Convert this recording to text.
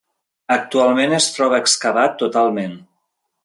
Actualment es troba excavat totalment.